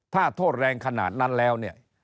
ถ้าโทษแรงขนาดนั้นแล้ว